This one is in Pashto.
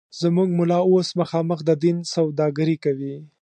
زموږ ملا اوس مخامخ د دین سوداگري کوي